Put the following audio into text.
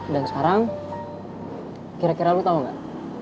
dan sekarang kira kira lo tau gak